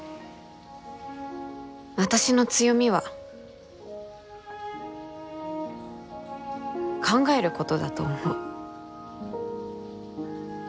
私の強みは考えることだと思う。